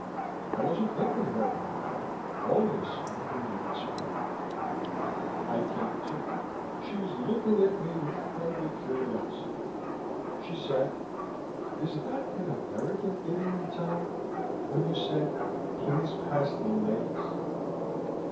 I wasn't thinking of her in that way, only as someone who needed some help. I came to. She was looking at me with friendly curiosity. She said, "Is that an American idiom, Tom, when you said, 'Please pass the legs'?"